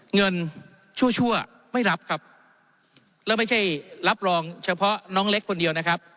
ชั่วชั่วไม่รับครับแล้วไม่ใช่รับรองเฉพาะน้องเล็กคนเดียวนะครับ